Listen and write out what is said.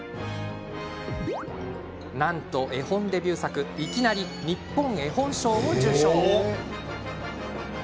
なんと絵本デビュー作ではいきなり日本絵本賞を受賞。